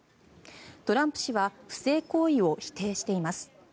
トランプ氏は不正行為を否定しています。